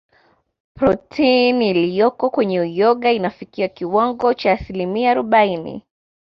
Protini iliyoko kwenye Uyoga inafikia kiwango cha asilimia arobaini